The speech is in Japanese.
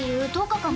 １０日間